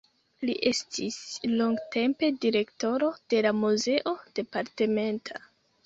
Li estis longtempe direktoro de la muzeo departementa.